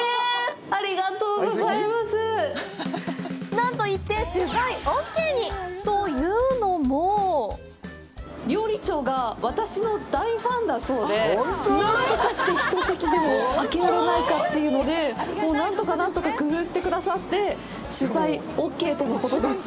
なんと一転、取材ＯＫに！というのも料理長が私の大ファンだそうで何とかして１席でもあけられないかというのでもう何とか何とか工夫してくださって取材ＯＫとのことです。